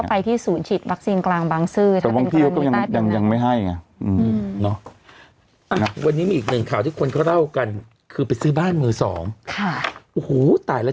พี่เองเนี้ยอ่าวันนึงเนี่ยบางทีตรวจถึงสามฯค่ะจริง